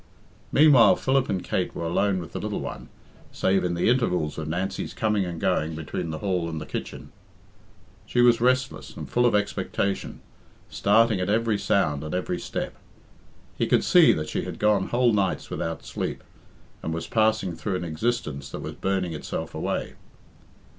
Meanwhile, Philip and Kate were alone with the little one, save in the intervals of Nancy's coming and going between the hall and the kitchen. She was restless, and full of expectation, starting at every sound and every step. He could see that she had gone whole nights without sleep, and was passing through an existence that was burning itself away.